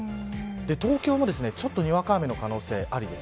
東京も、ちょっとにわか雨の可能性ありです。